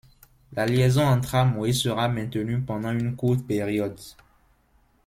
La liaison en tramway sera maintenue pendant une courte période.